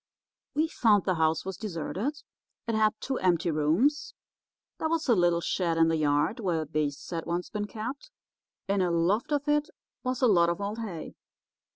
"We found the house was deserted. It had two empty rooms. There was a little shed in the yard where beasts had once been kept. In a loft of it was a lot of old hay.